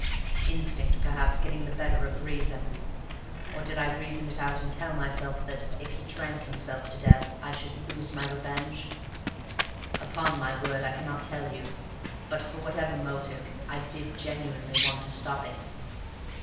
Instinct, perhaps, getting the better of reason; or did I reason it out and tell myself that, if he drank himself to death, I should lose my revenge? Upon my word, I cannot tell you; but, for whatever motive, I did genuinely want to stop it.